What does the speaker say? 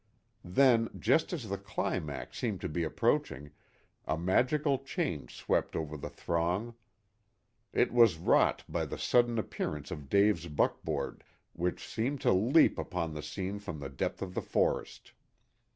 Then, just as the climax seemed to be approaching, a magical change swept over the throng. It was wrought by the sudden appearance of Dave's buckboard, which seemed to leap upon the scene from the depth of the forest.